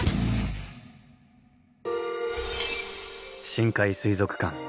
深海水族館。